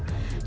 và đối tượng